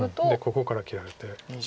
ここから切られて。